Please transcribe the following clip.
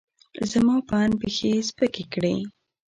زما په اند، پښې یې سپکې کړې.